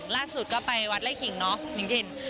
ล่าสุดก็ไปวัดไล่ขิงเนอะจริง